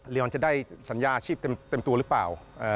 มันจะได้สัญญาอาชีพเต็มตัวหรือเปล่า